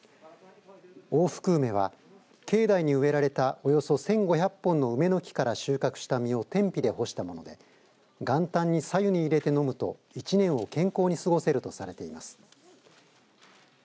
大福梅は境内に植えられたおよそ１５００本の梅の木から収穫した実を天日で干したもので元旦にさ湯に入れて飲むと１年を健康に過ごせるとされています。